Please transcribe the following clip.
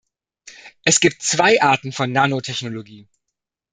Es gibt zwei Arten von Nanotechnologie.